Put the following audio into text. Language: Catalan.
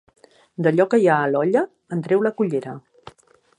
D'allò que hi ha a l'olla, en treu la cullera.